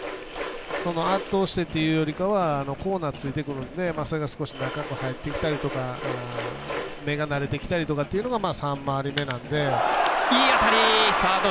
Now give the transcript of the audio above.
その圧倒してというよりはコーナーを突いてくるので中に入ってきたりとか目が慣れてきたりとかというのが３回り目なので。